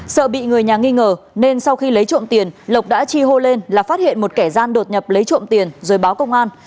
sợ bị người nhà nghi ngờ nên sau khi lấy trộm tiền lộc đã chi hô lên là phát hiện một kẻ gian đột nhập lấy trộm tiền rồi báo công an